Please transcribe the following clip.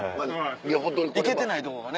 行けてないとこがね。